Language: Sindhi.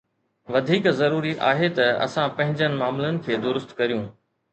وڌيڪ ضروري آهي ته اسان پنهنجن معاملن کي درست ڪريون.